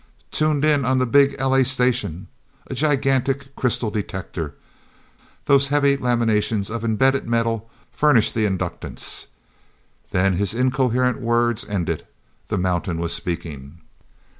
"Tuned in on the big L. A. station! A gigantic crystal detector! Those heavy laminations of imbedded metal furnish the inductance." Then his incoherent words ended—the mountain was speaking.